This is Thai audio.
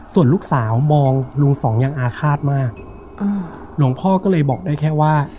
ส่วนลูกสาวมองลุงสองยังอาฆาตมากหลวงพ่อก็เลยบอกได้แค่ว่า